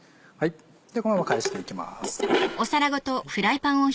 ではこのまま返していきます。